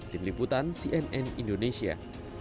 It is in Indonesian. tim liputan cnn indonesia